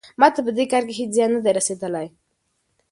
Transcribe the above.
ما ته په دې کار کې هیڅ زیان نه دی رسیدلی.